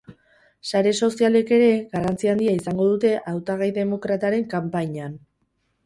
Sare sozialek ere garrantzi handia izango dute hautagai demokrataren kanpainan.